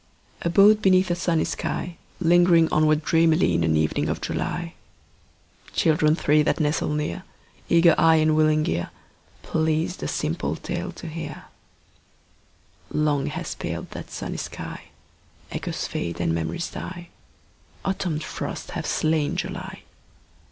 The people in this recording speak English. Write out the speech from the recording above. A boat beneath a sunny sky, Lingering onward dreamily In an evening of July— Children three that nestle near, Eager eye and willing ear, Pleased a simple tale to hear— Long has paled that sunny sky: Echoes fade and memories die. Autumn frosts have slain July.